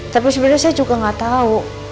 tapi sebenernya saya juga gak tau